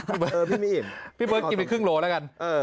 พี่เบิร์ดเออพี่ไม่อิ่มพี่เบิร์ดกินไปครึ่งโลแล้วกันเออ